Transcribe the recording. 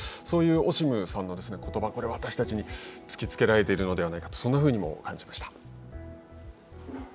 そういうオシムさんのことばこれは私たちに突きつけられているんではないかとそんなふうにも感じました。